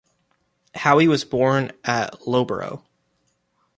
Howe was born at Loughborough.